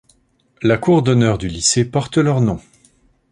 La cour d’honneur du lycée porte leur nom.